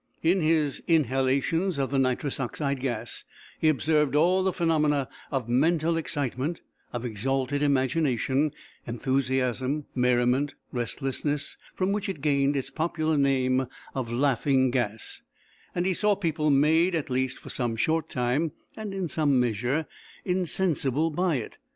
In his inhalations of the nitrous oxide gas he observed all the phenomena of mental excitement, of exalted imagination, enthusiasm, merriment, restlessness, from which it gained its popular name of "laughing gas"; and he saw people made, at least for some short time and in some measure, insensible by it.